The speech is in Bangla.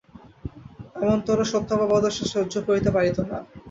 এমনতরো সত্য অপবাদও সে সহ্য করিতে পারিত না।